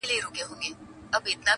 دا سرګم د خوږې میني شیرین ساز دی,